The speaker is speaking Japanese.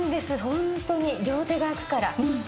ホントに両手が空くから。